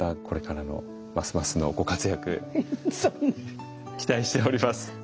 これからのますますのご活躍期待しております。